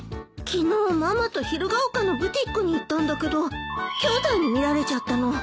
昨日ママとひるが丘のブティックに行ったんだけどきょうだいに見られちゃったの。